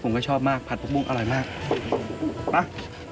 ผมก็ชอบมากผัดผักบุ้งอร่อยมากป่ะ